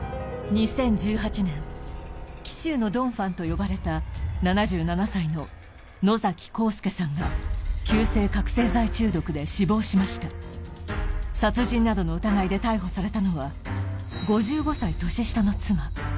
２０１８年紀州のドンファンと呼ばれた７７歳の野幸助さんが急性覚醒剤中毒で死亡しました殺人などの疑いで逮捕されたのは５５歳年下の妻